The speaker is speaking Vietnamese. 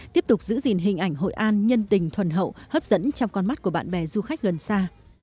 tiếp tục giữ gìn hình ảnh hội an nhân tình thuần hậu hấp dẫn trong con mắt của bạn bè du khách gần xa